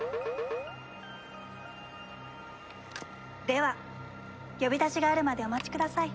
では呼び出しがあるまでお待ちください。